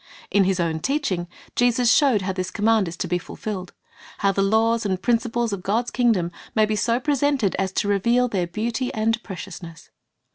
^ In His own teaching, Jesus showed how this command is to be fulfilled, — how the laws and principles of God's kingdom can be so presented as to reveal their beauty and precious ness.